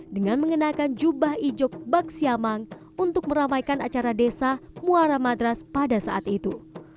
dengan mengenakan jubah ijuk bak siamang untuk meramaikan acara desa muara madras pada saat itu